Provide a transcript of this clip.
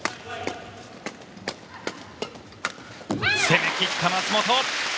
攻めていった松本！